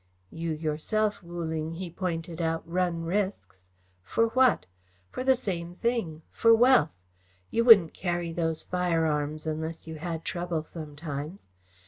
"You yourself, Wu Ling," he pointed out, "run risks. For what? For the same thing. For wealth. You wouldn't carry those firearms unless you had trouble sometimes.